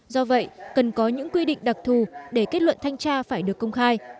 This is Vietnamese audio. do vậy cần có những quy định đặc thù để kết luận thanh tra phải được công khai